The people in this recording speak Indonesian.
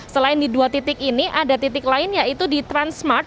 selain di dua titik ini ada titik lain yaitu di transmart